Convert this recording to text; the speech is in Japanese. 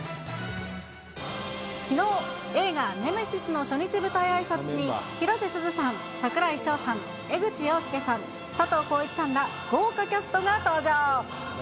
きのう、映画、ネメシスの初日舞台あいさつに、広瀬すずさん、櫻井翔さん、江口洋介さん、佐藤浩市さんら、豪華キャストが登場。